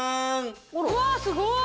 うわっすごい！